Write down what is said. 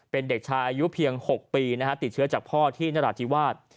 เป็นเด็กชายอายุเพียง๖ปีติดเชื้อจากพ่อที่นราธิวาส